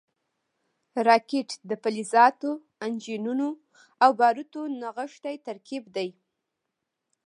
راکټ د فلزاتو، انجنونو او بارودو نغښتی ترکیب دی